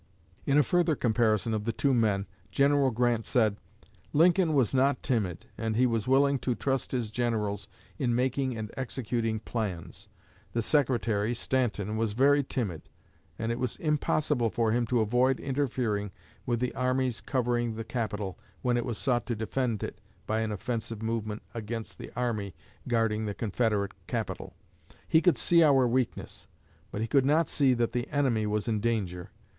In a further comparison of the two men, General Grant said: "Lincoln was not timid, and he was willing to trust his generals in making and executing plans. The Secretary [Stanton] was very timid, and it was impossible for him to avoid interfering with the armies covering the capital when it was sought to defend it by an offensive movement against the army guarding the Confederate capital. He could see our weakness, but he could not see that the enemy was in danger.